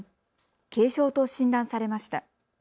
軽症と診断されました。